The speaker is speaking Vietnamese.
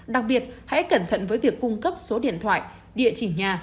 đặc biệt hãy cẩn thận với việc cung cấp số điện thoại địa chỉ nhà